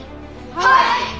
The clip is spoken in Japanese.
はい！